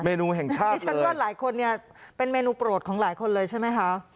มีชั้นว่าหลายคนเป็นเมนูโปรดของหลายคนเลยใช่ไหมครับ